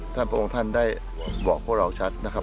พระองค์ท่านได้บอกพวกเราชัดนะครับ